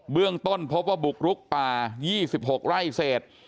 เรื่องต้นพบว่าบุกรุกป่า๒๖ไร่เศษ